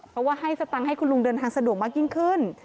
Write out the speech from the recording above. เพราะว่าให้สตังค์ให้คุณลุงเดินทางสะดวกมากยิ่งขึ้น